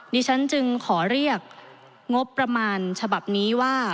ดิฉันจึงขอเรียกงบประมาณฉบับนี้ว่า